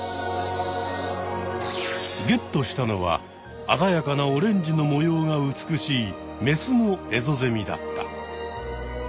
ゲットしたのはあざやかなオレンジの模様が美しいメスのエゾゼミだった。